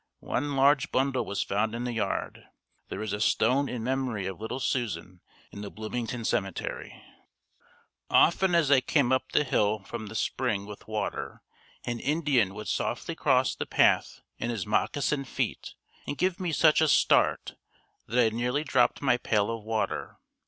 One large bundle was found in the yard. There is a stone in memory of little Susan in the Bloomington cemetery. Often as I came up the hill from the spring with water, an Indian would softly cross the path in his moccasined feet and give me such a start that I nearly dropped my pail of water.